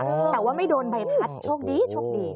แต่ว่าไม่โดนใบพัดโชคดีโชคดี